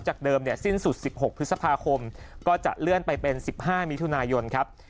เดิมสิ้นสุด๑๖พฤษภาคมก็จะเลื่อนไปเป็น๑๕มิถุนายนครับ